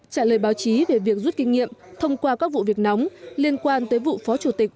trả lời báo chí về việc rút kinh nghiệm thông qua các vụ việc nóng liên quan tới vụ phó chủ tịch